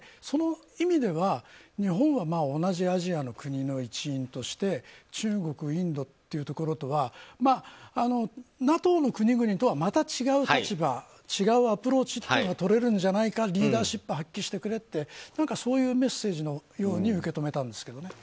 その意味では、日本は同じアジアの国の一員として中国、インドっていうところとはＮＡＴＯの国々とは違う立場違うアプローチがとれるんじゃないかってリーダーシップを発揮してくれってそういうメッセージのように受け止めたんですけど。